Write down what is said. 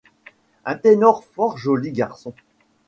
Un ténor fort joli garçon.